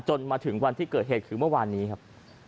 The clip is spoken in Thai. มาถึงวันที่เกิดเหตุคือเมื่อวานนี้ครับ